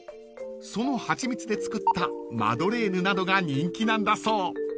［その蜂蜜で作ったマドレーヌなどが人気なんだそう］